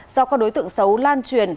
do các đối tượng xấu lan truyền